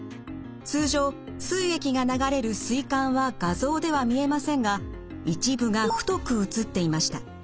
通常すい液が流れるすい管は画像では見えませんが一部が太く映っていました。